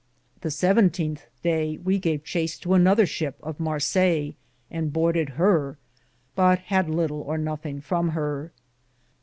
The 17th daye we gave chace to another shipp of Massillia,^ and horded here, but had litle or nothinge from her.